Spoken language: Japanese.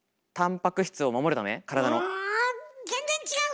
全然違う！